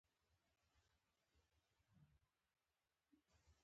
زه په رخصتیو کښي کور ته ځم.